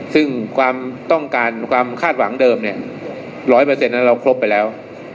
ซึ่งความต้องการความคาดหวังเดิมเนี่ย๑๐๐นั้นเราครบไปแล้ว